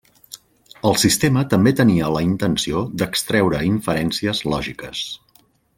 El sistema també tenia la intenció d'extreure inferències lògiques.